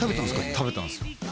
食べたんですか？